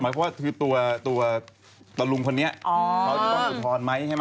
ถ้าเขาอยากอุทธรณ์ว่ามันเยอะไปไหม